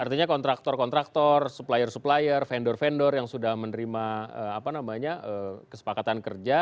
artinya kontraktor kontraktor supplier supplier vendor vendor yang sudah menerima kesepakatan kerja